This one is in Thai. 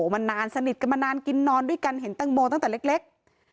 มานานสนิทกันมานานกินนอนด้วยกันเห็นแตงโมตั้งแต่เล็ก